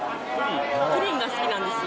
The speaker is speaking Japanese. プリンが好きなんですよ。